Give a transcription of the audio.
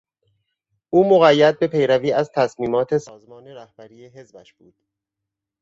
او مقید به پیروی از تصمیمات سازمان رهبری حزبش بود.